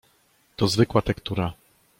"To zwykła tektura."